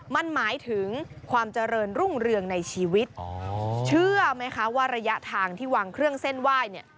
มันหมายถึงความเจริญรุ่งเรืองในชีวิตเชื่อไหมคะว่าระยะทางที่วางเครื่องเส้นไหว้เนี่ย